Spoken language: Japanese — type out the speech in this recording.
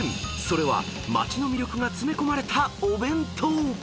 それは街の魅力が詰め込まれたお弁当］